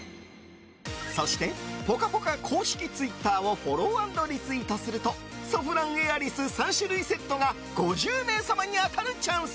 そして「ぽかぽか」公式ツイッターをフォロー＆リツイートするとソフランエアリス３種類セットが５０名様に当たるチャンス！